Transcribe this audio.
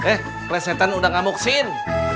eh kelesetan udah nggak muxin